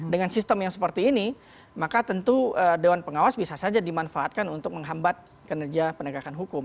dengan sistem yang seperti ini maka tentu dewan pengawas bisa saja dimanfaatkan untuk menghambat kinerja penegakan hukum